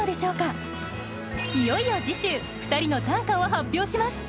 いよいよ次週２人の短歌を発表します。